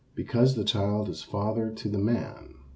Because the child is father to the man.